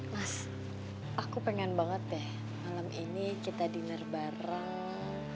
mas aku pengen banget deh malam ini kita dinner bareng